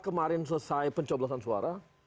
kemarin selesai pencoblosan suara